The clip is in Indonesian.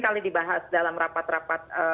kali dibahas dalam rapat rapat